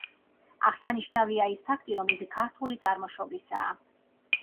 აღსანიშნავია ის ფაქტი, რომ იგი ქართული წარმოშობისაა.